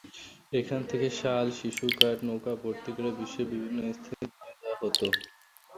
এখান থেকে শাল, শিশু কাঠ নৌকা ভর্তি করে বিশ্বের বিভিন্ন স্থানে নিয়ে যাওয়া হত।